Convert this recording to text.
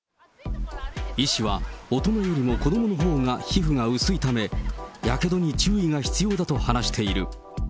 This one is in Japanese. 医師は、大人よりも子どものほうが皮膚が薄いため、やけどに注意が必要だと話している。